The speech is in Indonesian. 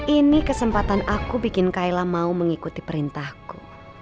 ini kesempatan aku bikin kaila mau mengikuti perintahku